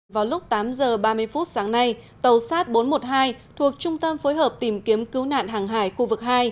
vào lúc tám h ba mươi phút sáng nay tàu sát bốn trăm một mươi hai thuộc trung tâm phối hợp tìm kiếm cứu nạn hàng hải khu vực hai